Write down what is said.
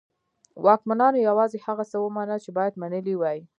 واکمنانو یوازې هغه څه ومنل چې باید منلي وای.